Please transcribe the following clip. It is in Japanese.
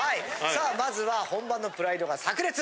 さあまずは本場のプライドが炸裂！